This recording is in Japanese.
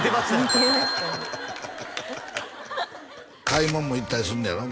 買い物も行ったりすんねやろ？